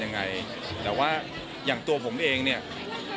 คุณแม่น้องให้โอกาสดาราคนในผมไปเจอคุณแม่น้องให้โอกาสดาราคนในผมไปเจอ